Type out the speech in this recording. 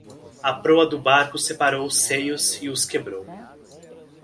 A proa do barco separou os seios e os quebrou.